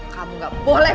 kamu gak boleh